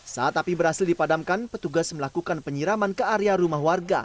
saat api berhasil dipadamkan petugas melakukan penyiraman ke area rumah warga